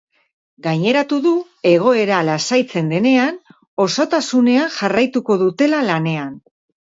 Gaineratu du, egoera lasaitzen denean, osotasunean jarraituko dutela lanean.